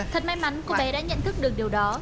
thật may mắn cô bé đã nhận thức được điều đó